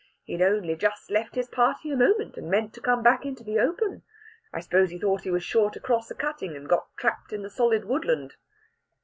He'd only just left his party a moment, and meant to come back into the open. I suppose he thought he was sure to cross a cutting, and got trapped in the solid woodland."